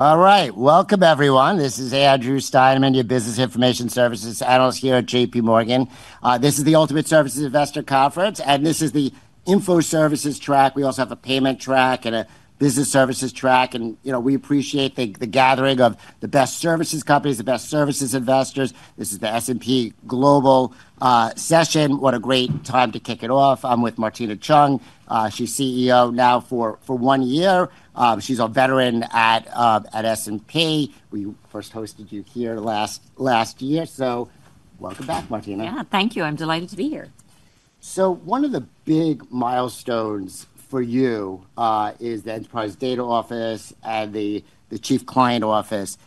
All right. Welcome, everyone. This is Andrew Stein, I'm India Business Information Services Analyst here at JP Morgan. This is the Ultimate Services Investor Conference, and this is the Info Services track. We also have a Payment track and a Business Services track. We appreciate the gathering of the best services companies, the best services investors. This is the S&P Global session. What a great time to kick it off. I'm with Martina Cheung. She's CEO now for one year. She's a veteran at S&P. We first hosted you here last year. Welcome back, Martina. Yeah, thank you. I'm delighted to be here. One of the big milestones for you is the Enterprise Data Office and the Chief Client Office.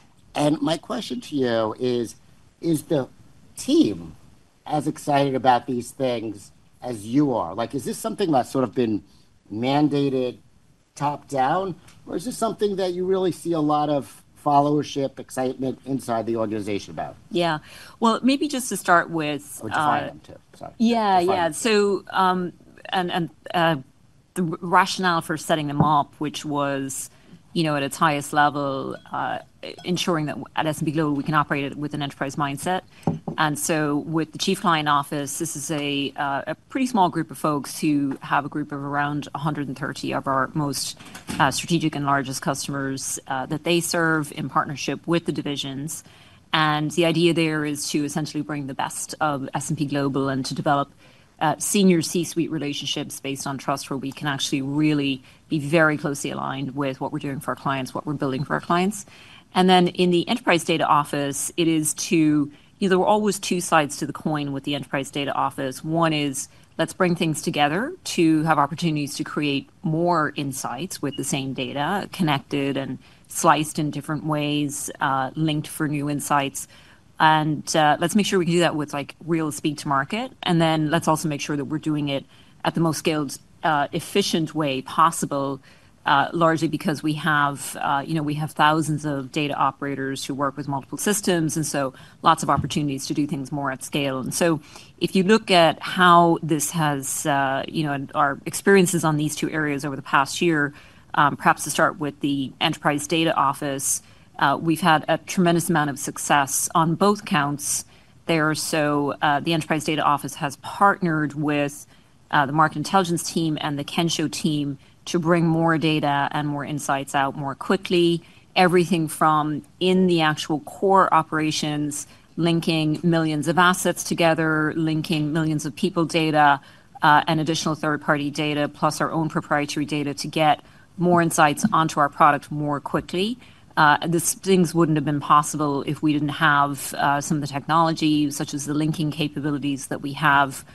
My question to you is, is the team as excited about these things as you are? Is this something that's sort of been mandated top down, or is this something that you really see a lot of followership, excitement inside the organization about? Yeah. Maybe just to start with. Which I am too. Sorry. Yeah, yeah. So the rationale for setting them up, which was, you know, at its highest level, ensuring that at S&P Global we can operate with an enterprise mindset. With the Chief Client Office, this is a pretty small group of folks who have a group of around 130 of our most strategic and largest customers that they serve in partnership with the divisions. The idea there is to essentially bring the best of S&P Global and to develop senior C-suite relationships based on trust where we can actually really be very closely aligned with what we're doing for our clients, what we're building for our clients. In the Enterprise Data Office, it is to, you know, there were always two sides to the coin with the Enterprise Data Office. One is let's bring things together to have opportunities to create more insights with the same data, connected and sliced in different ways, linked for new insights. Let's make sure we can do that with real speed to market. Let's also make sure that we're doing it at the most scaled, efficient way possible, largely because we have, you know, we have thousands of data operators who work with multiple systems. Lots of opportunities to do things more at scale. If you look at how this has, you know, our experiences on these two areas over the past year, perhaps to start with the Enterprise Data Office, we've had a tremendous amount of success on both counts there. The Enterprise Data Office has partnered with the Market Intelligence team and the Kensho team to bring more data and more insights out more quickly. Everything from in the actual core operations, linking millions of assets together, linking millions of people data and additional third-party data, plus our own proprietary data to get more insights onto our product more quickly. These things would not have been possible if we did not have some of the technology, such as the linking capabilities that we have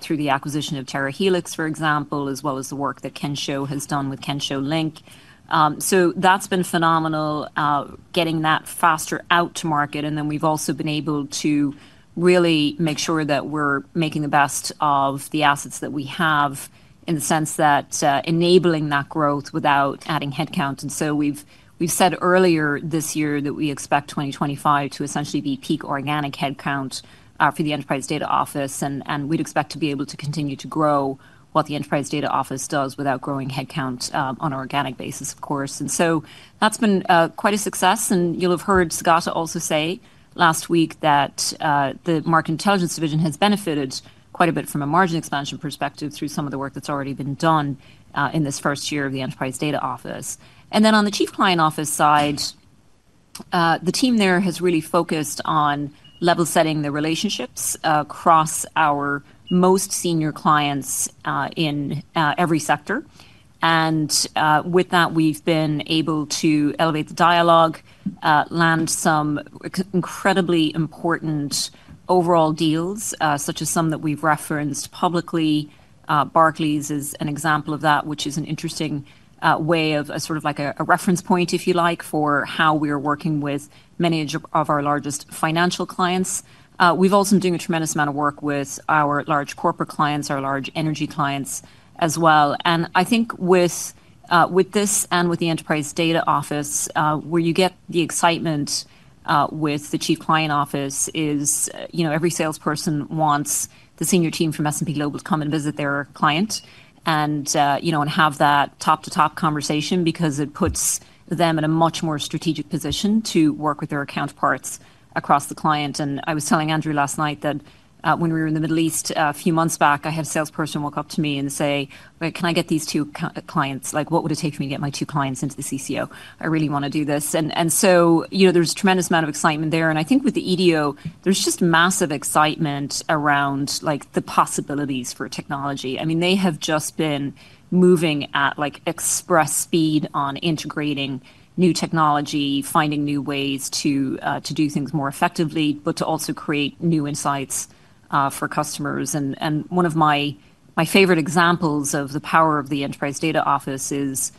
through the acquisition of Terahelix, for example, as well as the work that Kensho has done with Kensho Link. That has been phenomenal, getting that faster out to market. We have also been able to really make sure that we are making the best of the assets that we have in the sense that enabling that growth without adding headcount. We said earlier this year that we expect 2025 to essentially be peak organic headcount for the Enterprise Data Office. We expect to be able to continue to grow what the Enterprise Data Office does without growing headcount on an organic basis, of course. That has been quite a success. You will have heard Sagata also say last week that the Market Intelligence division has benefited quite a bit from a margin expansion perspective through some of the work that has already been done in this first year of the Enterprise Data Office. On the Chief Client Office side, the team there has really focused on level setting the relationships across our most senior clients in every sector. With that, we have been able to elevate the dialogue, land some incredibly important overall deals, such as some that we have referenced publicly. Barclays is an example of that, which is an interesting way of a sort of like a reference point, if you like, for how we are working with many of our largest financial clients. We've also been doing a tremendous amount of work with our large corporate clients, our large energy clients as well. I think with this and with the Enterprise Data Office, where you get the excitement with the Chief Client Office is, you know, every salesperson wants the senior team from S&P Global to come and visit their client and, you know, have that top-to-top conversation because it puts them in a much more strategic position to work with their account parts across the client. I was telling Andrew last night that when we were in the Middle East a few months back, I had a salesperson walk up to me and say, "Can I get these two clients? Like, what would it take for me to get my two clients into the CCO? I really want to do this." You know, there is a tremendous amount of excitement there. I think with the EDO, there is just massive excitement around, like, the possibilities for technology. I mean, they have just been moving at, like, express speed on integrating new technology, finding new ways to do things more effectively, but to also create new insights for customers. One of my favorite examples of the power of the Enterprise Data Office is,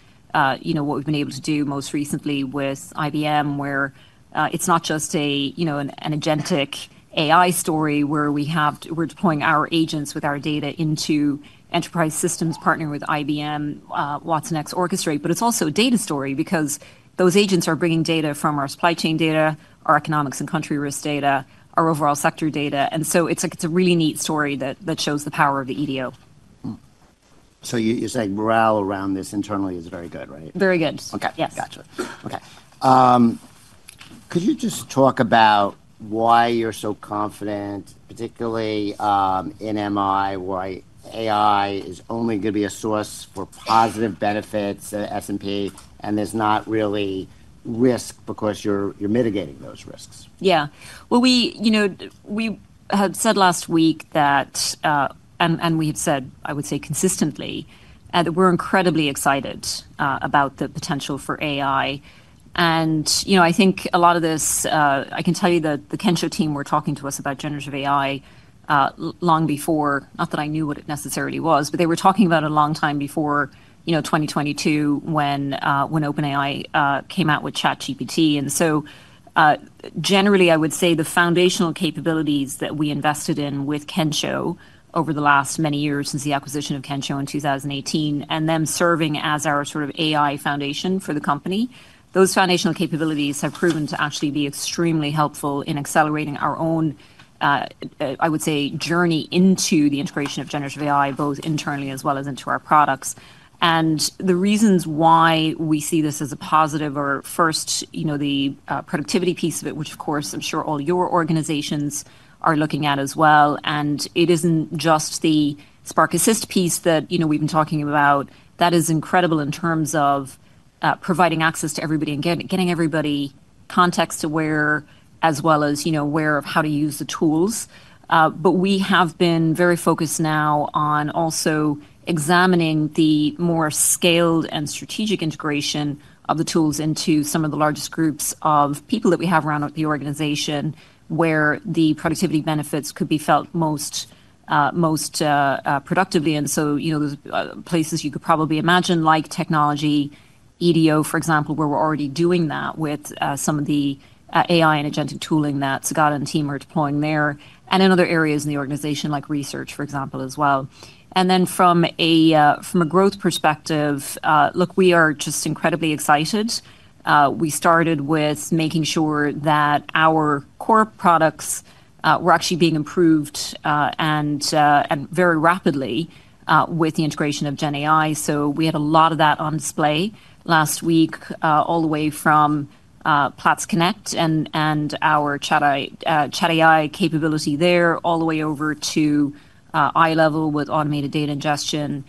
you know, what we've been able to do most recently with IBM, where it's not just a, you know, an agentic AI story where we have, we're deploying our agents with our data into enterprise systems partnering with IBM, Watsonx Orchestrate, but it's also a data story because those agents are bringing data from our supply chain data, our economics and country risk data, our overall sector data. It is a really neat story that shows the power of the EDO. You're saying morale around this internally is very good, right? Very good. Okay. Gotcha. Okay. Could you just talk about why you're so confident, particularly in MI, where AI is only going to be a source for positive benefits at S&P and there's not really risk because you're mitigating those risks? Yeah. We, you know, we had said last week that, and we have said, I would say consistently, that we're incredibly excited about the potential for AI. You know, I think a lot of this, I can tell you that the Kensho team were talking to us about generative AI long before, not that I knew what it necessarily was, but they were talking about it a long time before, you know, 2022 when OpenAI came out with ChatGPT. Generally, I would say the foundational capabilities that we invested in with Kensho over the last many years since the acquisition of Kensho in 2018 and them serving as our sort of AI foundation for the company, those foundational capabilities have proven to actually be extremely helpful in accelerating our own, I would say, journey into the integration of generative AI, both internally as well as into our products. The reasons why we see this as a positive are first, you know, the productivity piece of it, which of course I'm sure all your organizations are looking at as well. It is not just the Spark Assist piece that, you know, we've been talking about. That is incredible in terms of providing access to everybody and getting everybody context to where, as well as, you know, where of how to use the tools. We have been very focused now on also examining the more scaled and strategic integration of the tools into some of the largest groups of people that we have around the organization where the productivity benefits could be felt most productively. You know, there are places you could probably imagine like technology, EDO, for example, where we are already doing that with some of the AI and agentic tooling that Sagata and team are deploying there. In other areas in the organization, like research, for example, as well. From a growth perspective, look, we are just incredibly excited. We started with making sure that our core products were actually being improved and very rapidly with the integration of GenAI. We had a lot of that on display last week, all the way from Platts Connect and our ChatAI capability there, all the way over to iLevel with automated data ingestion,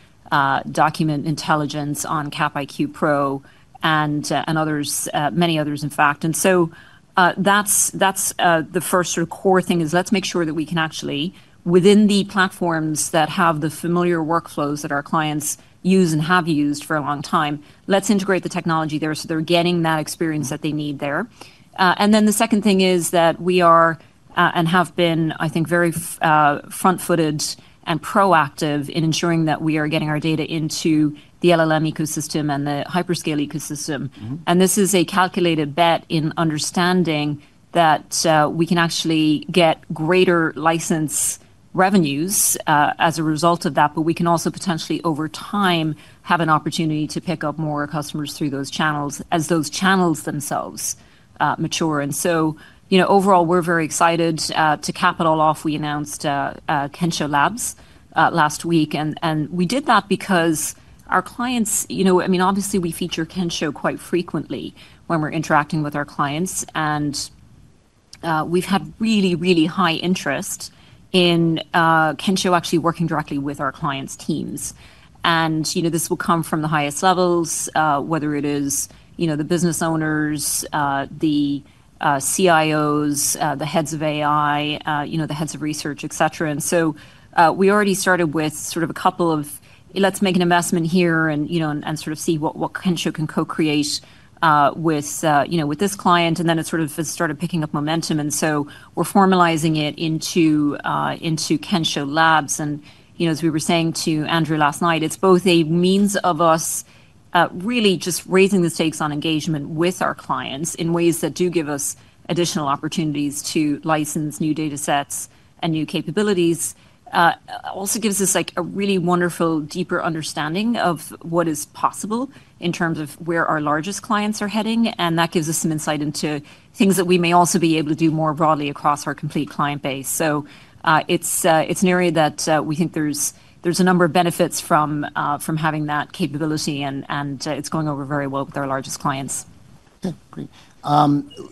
document intelligence on CapIQ Pro and others, many others, in fact. That is the first sort of core thing, making sure that we can actually, within the platforms that have the familiar workflows that our clients use and have used for a long time, integrate the technology there so they are getting that experience that they need there. The second thing is that we are and have been, I think, very front-footed and proactive in ensuring that we are getting our data into the LLM ecosystem and the hyperscale ecosystem. This is a calculated bet in understanding that we can actually get greater license revenues as a result of that, but we can also potentially, over time, have an opportunity to pick up more customers through those channels as those channels themselves mature. You know, overall, we're very excited. To cap it all off, we announced Kensho Labs last week. We did that because our clients, you know, I mean, obviously we feature Kensho quite frequently when we're interacting with our clients. We've had really, really high interest in Kensho actually working directly with our clients' teams. You know, this will come from the highest levels, whether it is, you know, the business owners, the CIOs, the heads of AI, the heads of research, et cetera. We already started with sort of a couple of, let's make an investment here and, you know, sort of see what Kensho can co-create with, you know, with this client. It sort of has started picking up momentum. We are formalizing it into Kensho Labs. You know, as we were saying to Andrew last night, it is both a means of us really just raising the stakes on engagement with our clients in ways that do give us additional opportunities to license new data sets and new capabilities. It also gives us a really wonderful, deeper understanding of what is possible in terms of where our largest clients are heading. That gives us some insight into things that we may also be able to do more broadly across our complete client base. It's an area that we think there's a number of benefits from having that capability, and it's going over very well with our largest clients. Okay. Great.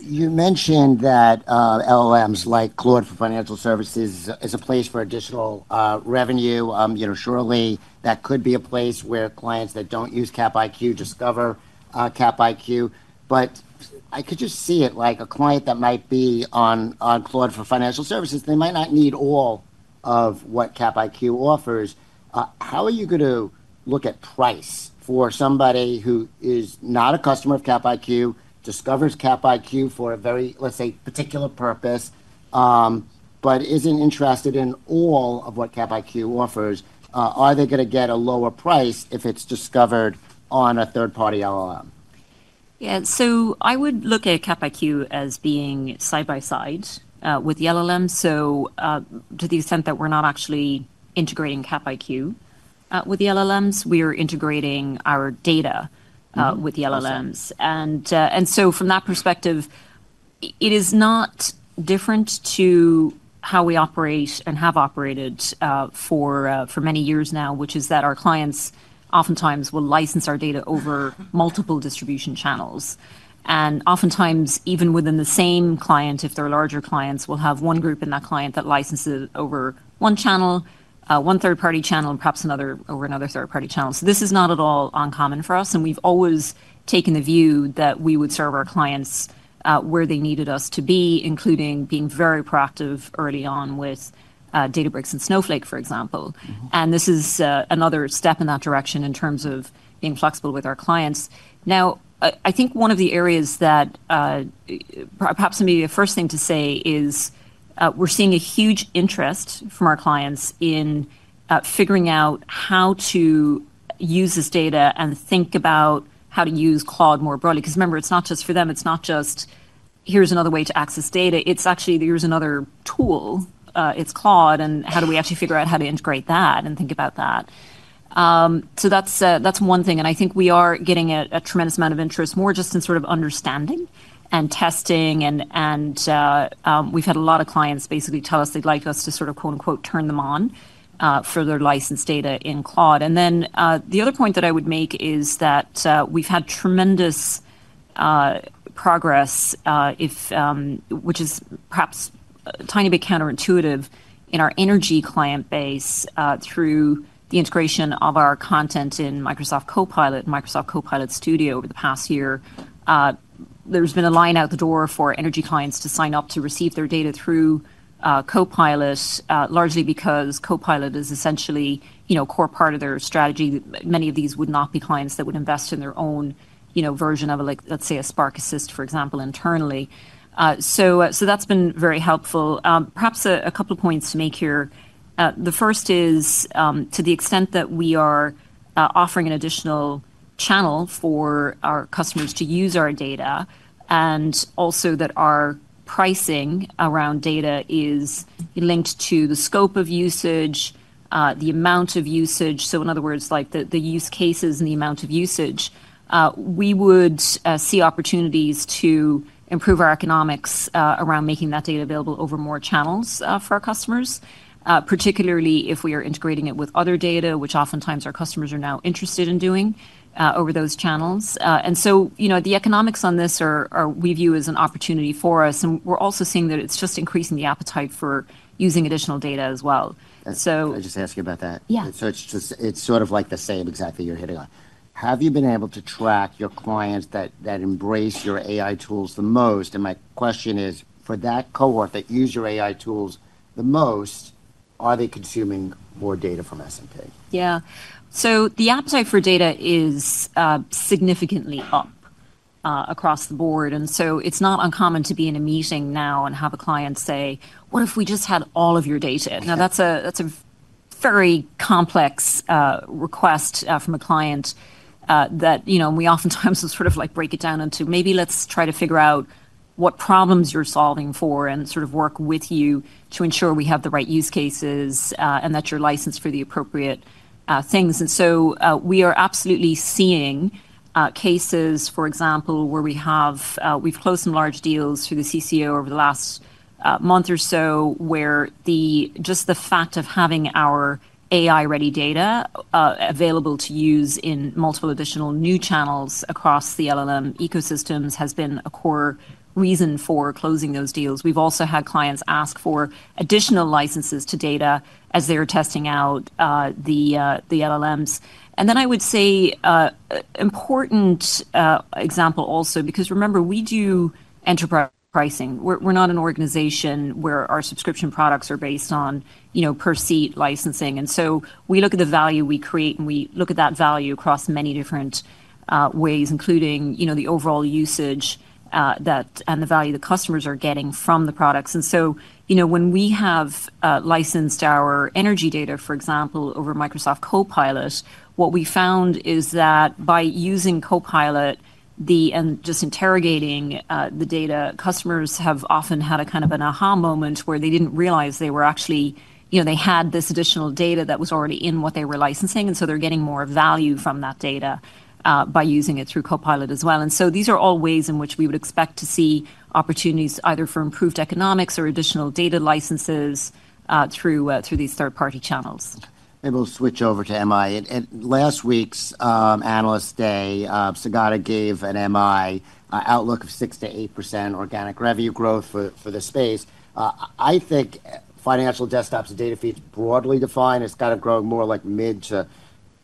You mentioned that LLMs like Claude for Financial Services is a place for additional revenue. You know, surely that could be a place where clients that do not use CapIQ discover CapIQ. But I could just see it like a client that might be on Claude for Financial Services, they might not need all of what CapIQ offers. How are you going to look at price for somebody who is not a customer of CapIQ, discovers CapIQ for a very, let's say, particular purpose, but is not interested in all of what CapIQ offers? Are they going to get a lower price if it is discovered on a third-party LLM? Yeah. I would look at CapIQ as being side by side with the LLM. To the extent that we're not actually integrating CapIQ with the LLMs, we are integrating our data with the LLMs. From that perspective, it is not different to how we operate and have operated for many years now, which is that our clients oftentimes will license our data over multiple distribution channels. Oftentimes, even within the same client, if they're larger clients, we'll have one group in that client that licenses over one channel, one third-party channel, and perhaps another over another third-party channel. This is not at all uncommon for us. We've always taken the view that we would serve our clients where they needed us to be, including being very proactive early on with Databricks and Snowflake, for example. This is another step in that direction in terms of being flexible with our clients. I think one of the areas that perhaps maybe the first thing to say is we're seeing a huge interest from our clients in figuring out how to use this data and think about how to use Claude more broadly. Because remember, it's not just for them. It's not just, here's another way to access data. It's actually, there's another tool. It's Claude. And how do we actually figure out how to integrate that and think about that? That's one thing. I think we are getting a tremendous amount of interest, more just in sort of understanding and testing. We've had a lot of clients basically tell us they'd like us to sort of quote unquote turn them on for their licensed data in Claude. The other point that I would make is that we have had tremendous progress, which is perhaps a tiny bit counterintuitive in our energy client base through the integration of our content in Microsoft Copilot, Microsoft Copilot Studio over the past year. There has been a line out the door for energy clients to sign up to receive their data through Copilot, largely because Copilot is essentially, you know, a core part of their strategy. Many of these would not be clients that would invest in their own, you know, version of, like, let us say a Spark Assist, for example, internally. That has been very helpful. Perhaps a couple of points to make here. The first is to the extent that we are offering an additional channel for our customers to use our data and also that our pricing around data is linked to the scope of usage, the amount of usage. In other words, like the use cases and the amount of usage, we would see opportunities to improve our economics around making that data available over more channels for our customers, particularly if we are integrating it with other data, which oftentimes our customers are now interested in doing over those channels. You know, the economics on this we view as an opportunity for us. We are also seeing that it's just increasing the appetite for using additional data as well. I just asked you about that. Yeah. It's sort of like the same exactly you're hitting on. Have you been able to track your clients that embrace your AI tools the most? My question is, for that cohort that uses your AI tools the most, are they consuming more data from S&P? Yeah. The appetite for data is significantly up across the board. It's not uncommon to be in a meeting now and have a client say, "What if we just had all of your data?" That's a very complex request from a client that, you know, we oftentimes sort of like break it down into, maybe let's try to figure out what problems you're solving for and sort of work with you to ensure we have the right use cases and that you're licensed for the appropriate things. We are absolutely seeing cases, for example, where we've closed some large deals through the CCO over the last month or so where just the fact of having our AI-ready data available to use in multiple additional new channels across the LLM ecosystems has been a core reason for closing those deals. We've also had clients ask for additional licenses to data as they're testing out the LLMs. I would say an important example also, because remember, we do enterprise pricing. We're not an organization where our subscription products are based on, you know, per seat licensing. We look at the value we create and we look at that value across many different ways, including, you know, the overall usage and the value the customers are getting from the products. When we have licensed our energy data, for example, over Microsoft Copilot, what we found is that by using Copilot and just interrogating the data, customers have often had a kind of an aha moment where they didn't realize they were actually, you know, they had this additional data that was already in what they were licensing. They are getting more value from that data by using it through Copilot as well. These are all ways in which we would expect to see opportunities either for improved economics or additional data licenses through these third-party channels. Maybe we'll switch over to MI. Last week's analyst day, Sagata gave an MI outlook of 6-8% organic revenue growth for the space. I think financial desktops and data feeds broadly defined, it's got to grow more like mid to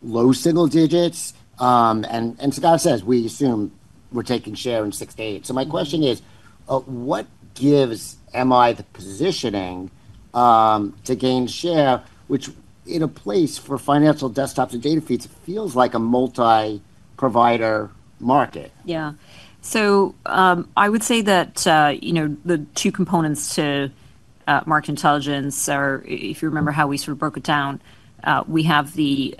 low single digits. And Sagata says, we assume we're taking share in 6-8%. So my question is, what gives MI the positioning to gain share, which in a place for financial desktops and data feeds, it feels like a multi-provider market? Yeah. So I would say that, you know, the two components to Market Intelligence are, if you remember how we sort of broke it down, we have the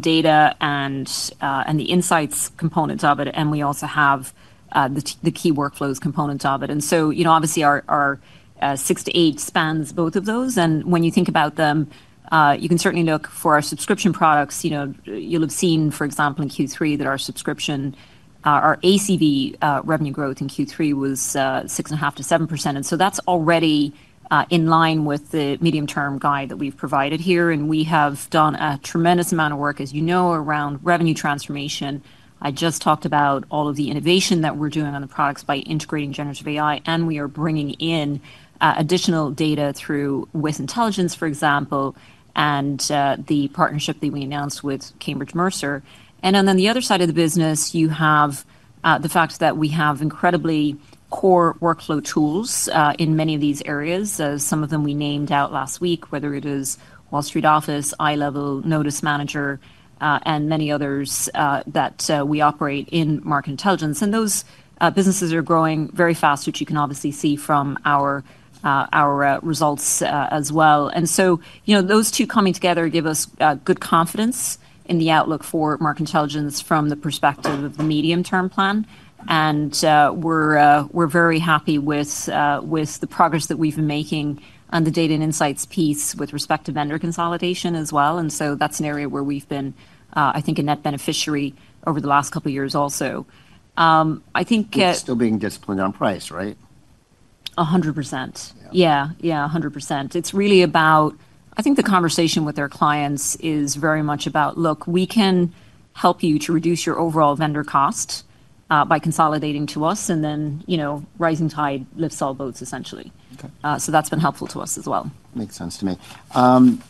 data and the insights components of it, and we also have the key workflows components of it. You know, obviously our 6-8 spans both of those. When you think about them, you can certainly look for our subscription products. You know, you'll have seen, for example, in Q3 that our subscription, our ACV revenue growth in Q3 was 6.5-7%. That is already in line with the medium-term guide that we've provided here. We have done a tremendous amount of work, as you know, around revenue transformation. I just talked about all of the innovation that we're doing on the products by integrating generative AI, and we are bringing in additional data through WIS Intelligence, for example, and the partnership that we announced with Cambridge Mercer. On the other side of the business, you have the fact that we have incredibly core workflow tools in many of these areas. Some of them we named out last week, whether it is Wall Street Office, iLevel, Notice Manager, and many others that we operate in Market Intelligence. Those businesses are growing very fast, which you can obviously see from our results as well. You know, those two coming together give us good confidence in the outlook for Market Intelligence from the perspective of the medium-term plan. We're very happy with the progress that we've been making on the data and insights piece with respect to vendor consolidation as well. That's an area where we've been, I think, a net beneficiary over the last couple of years also, I think. You're still being disciplined on price, right? 100%. Yeah, 100%. It's really about, I think the conversation with our clients is very much about, look, we can help you to reduce your overall vendor cost by consolidating to us. You know, rising tide lifts all boats, essentially. That has been helpful to us as well. Makes sense to me.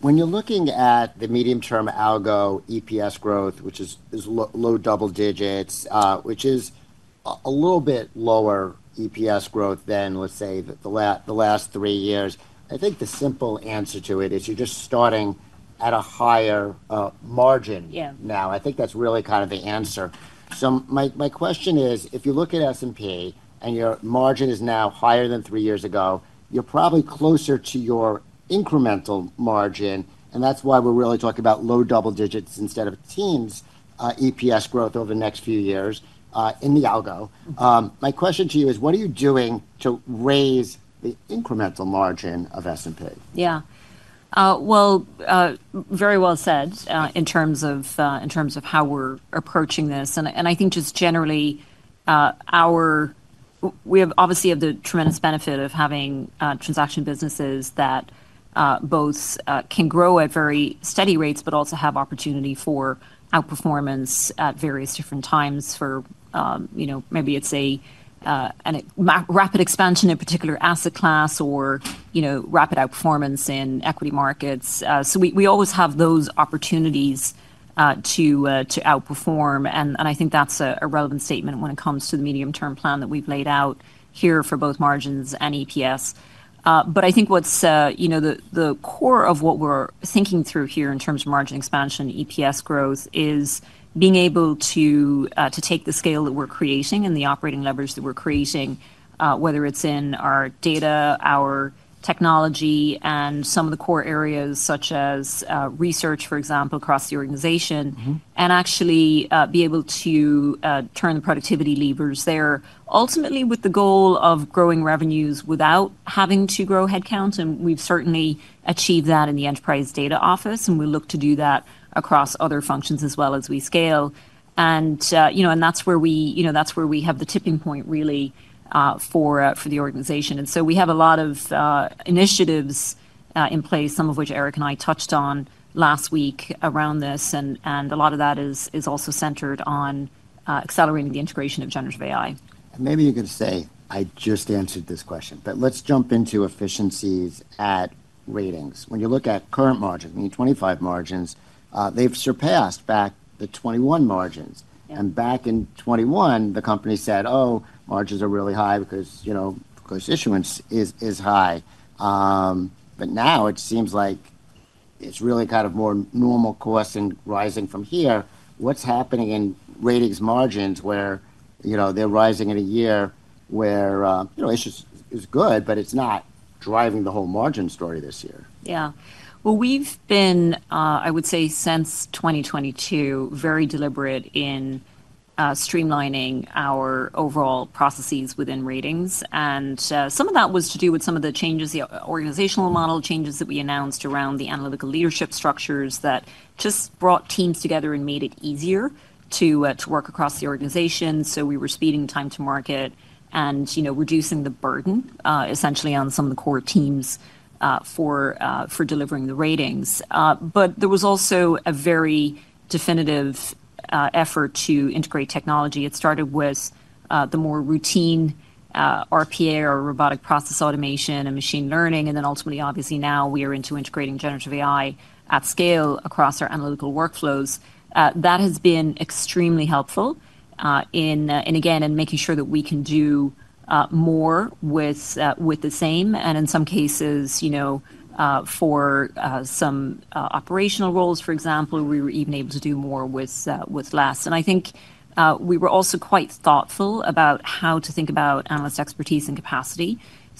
When you're looking at the medium-term algo EPS growth, which is low double digits, which is a little bit lower EPS growth than, let's say, the last three years, I think the simple answer to it is you're just starting at a higher margin now. I think that's really kind of the answer. My question is, if you look at S&P and your margin is now higher than three years ago, you're probably closer to your incremental margin. That's why we're really talking about low double digits instead of teens EPS growth over the next few years in the algo. My question to you is, what are you doing to raise the incremental margin of S&P? Yeah. Very well said in terms of how we're approaching this. I think just generally, we obviously have the tremendous benefit of having transaction businesses that both can grow at very steady rates, but also have opportunity for outperformance at various different times for, you know, maybe it's a rapid expansion in a particular asset class or, you know, rapid outperformance in equity markets. We always have those opportunities to outperform. I think that's a relevant statement when it comes to the medium-term plan that we've laid out here for both margins and EPS. I think what's, you know, the core of what we're thinking through here in terms of margin expansion, EPS growth is being able to take the scale that we're creating and the operating leverage that we're creating, whether it's in our data, our technology, and some of the core areas such as research, for example, across the organization, and actually be able to turn the productivity levers there, ultimately with the goal of growing revenues without having to grow headcount. We've certainly achieved that in the Enterprise Data Office. We look to do that across other functions as well as we scale. You know, that's where we, you know, that's where we have the tipping point really for the organization. We have a lot of initiatives in place, some of which Eric and I touched on last week around this. A lot of that is also centered on accelerating the integration of generative AI. Maybe you can say, I just answered this question, but let's jump into efficiencies at ratings. When you look at current margins, I mean, 2025 margins, they've surpassed back the 2021 margins. And back in 2021, the company said, oh, margins are really high because, you know, of course, issuance is high. Now it seems like it's really kind of more normal costs and rising from here. What's happening in ratings margins where, you know, they're rising in a year where, you know, issuance is good, but it's not driving the whole margin story this year. Yeah. We've been, I would say since 2022, very deliberate in streamlining our overall processes within ratings. Some of that was to do with some of the changes, the organizational model changes that we announced around the analytical leadership structures that just brought teams together and made it easier to work across the organization. We were speeding time to market and, you know, reducing the burden essentially on some of the core teams for delivering the ratings. There was also a very definitive effort to integrate technology. It started with the more routine RPA or robotic process automation and machine learning. Ultimately, obviously now we are into integrating generative AI at scale across our analytical workflows. That has been extremely helpful in, and again, in making sure that we can do more with the same. In some cases, you know, for some operational roles, for example, we were even able to do more with less. I think we were also quite thoughtful about how to think about analyst expertise and capacity.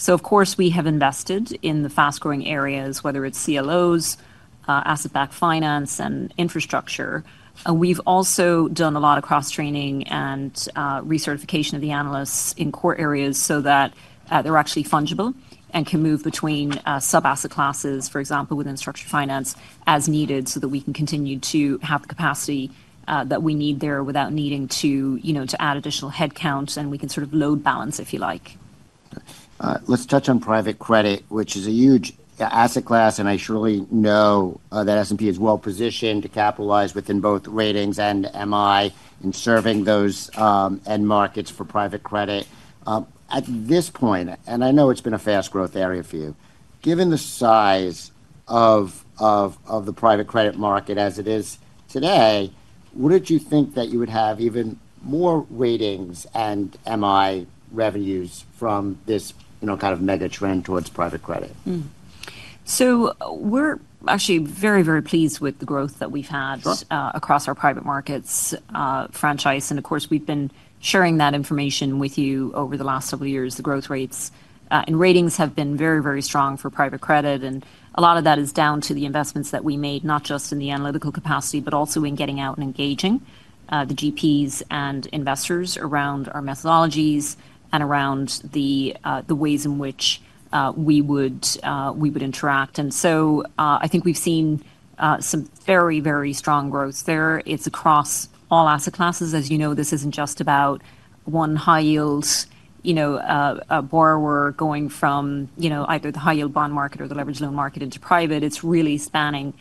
Of course, we have invested in the fast-growing areas, whether it's CLOs, asset-backed finance, and infrastructure. We've also done a lot of cross-training and recertification of the analysts in core areas so that they're actually fungible and can move between sub-asset classes, for example, within structured finance as needed so that we can continue to have the capacity that we need there without needing to, you know, to add additional headcount. We can sort of load balance, if you like. Let's touch on private credit, which is a huge asset class. I surely know that S&P is well positioned to capitalize within both Ratings and MI in serving those end markets for private credit. At this point, and I know it's been a fast-growth area for you, given the size of the private credit market as it is today, wouldn't you think that you would have even more Ratings and MI revenues from this, you know, kind of mega trend towards private credit? We're actually very, very pleased with the growth that we've had across our private markets franchise. Of course, we've been sharing that information with you over the last several years. The growth rates in ratings have been very, very strong for private credit. A lot of that is down to the investments that we made, not just in the analytical capacity, but also in getting out and engaging the GPs and investors around our methodologies and around the ways in which we would interact. I think we've seen some very, very strong growth there. It's across all asset classes. As you know, this isn't just about one high-yield, you know, borrower going from, you know, either the high-yield bond market or the leveraged loan market into private. It's really spanning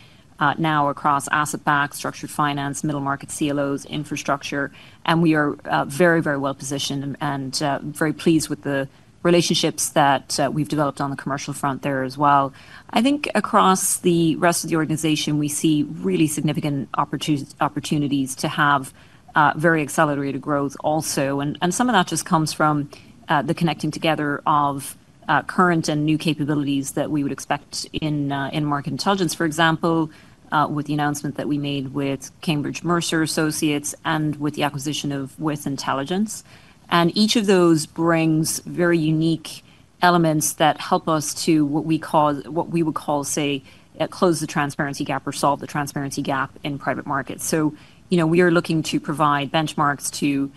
now across asset-backed, structured finance, middle market CLOs, infrastructure. We are very, very well positioned and very pleased with the relationships that we've developed on the commercial front there as well. I think across the rest of the organization, we see really significant opportunities to have very accelerated growth also. Some of that just comes from the connecting together of current and new capabilities that we would expect in Market Intelligence, for example, with the announcement that we made with Cambridge Associates and with the acquisition of WIS Intelligence. Each of those brings very unique elements that help us to what we call, what we would call, say, close the transparency gap or solve the transparency gap in private markets. You know, we are looking to provide benchmarks to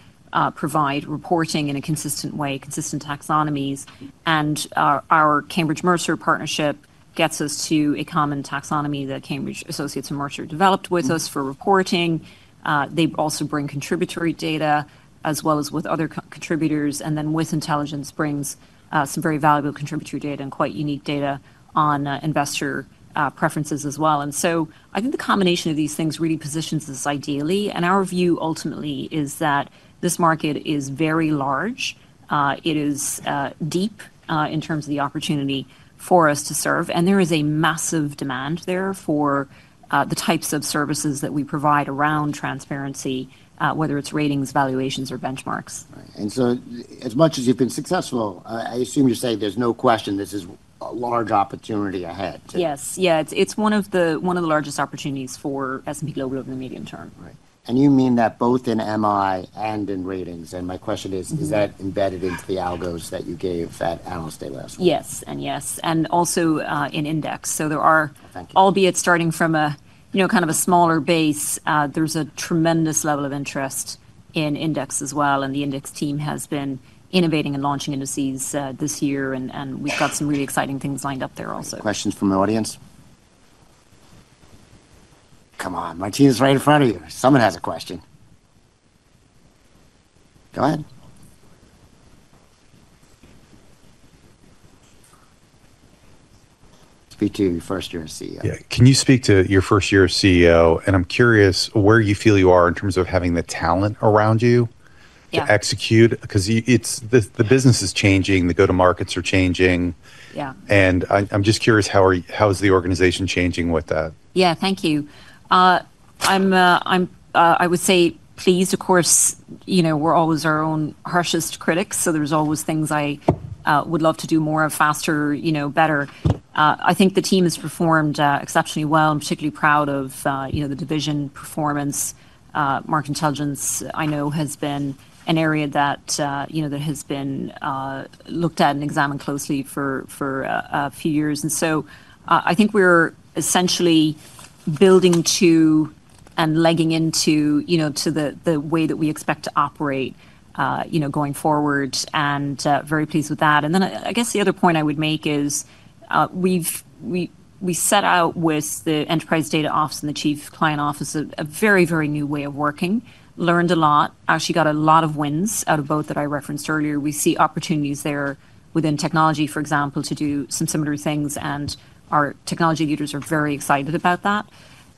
provide reporting in a consistent way, consistent taxonomies. Our Cambridge Mercer partnership gets us to a common taxonomy that Cambridge Associates and Mercer developed with us for reporting. They also bring contributory data as well as with other contributors. WIS Intelligence brings some very valuable contributory data and quite unique data on investor preferences as well. I think the combination of these things really positions us ideally. Our view ultimately is that this market is very large. It is deep in terms of the opportunity for us to serve. There is a massive demand there for the types of services that we provide around transparency, whether it is ratings, valuations, or benchmarks. As much as you've been successful, I assume you're saying there's no question this is a large opportunity ahead. Yes. Yeah. It's one of the largest opportunities for S&P Global over the medium term. You mean that both in MI and in ratings? My question is, is that embedded into the algos that you gave at Allen State last week? Yes. Yes. Also in index. There are, albeit starting from a, you know, kind of a smaller base, there's a tremendous level of interest in index as well. The index team has been innovating and launching indices this year. We have some really exciting things lined up there also. Questions from the audience? Come on. My team is right in front of you. Someone has a question. Go ahead. Speak to your first-year CEO. Yeah. Can you speak to your first-year CEO? I am curious where you feel you are in terms of having the talent around you to execute? Because the business is changing, the go-to-markets are changing. I am just curious, how is the organization changing with that? Yeah. Thank you. I'm, I would say pleased, of course. You know, we're always our own harshest critics. So there's always things I would love to do more of, faster, you know, better. I think the team has performed exceptionally well. I'm particularly proud of, you know, the division performance. Market Intelligence, I know, has been an area that, you know, that has been looked at and examined closely for a few years. I think we're essentially building to and legging into, you know, to the way that we expect to operate, you know, going forward. Very pleased with that. I guess the other point I would make is we've, we set out with the Enterprise Data Office and the Chief Client Office a very, very new way of working. Learned a lot. Actually got a lot of wins out of both that I referenced earlier. We see opportunities there within technology, for example, to do some similar things. Our technology leaders are very excited about that.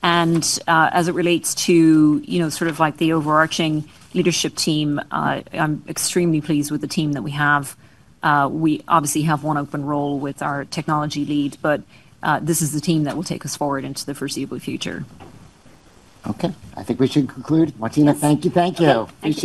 As it relates to, you know, sort of like the overarching leadership team, I'm extremely pleased with the team that we have. We obviously have one open role with our technology lead, but this is the team that will take us forward into the foreseeable future. Okay. I think we should conclude. Martina, thank you. Thank you. Appreciate it.